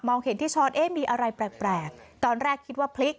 เห็นที่ช้อนเอ๊ะมีอะไรแปลกแปลกตอนแรกคิดว่าพลิก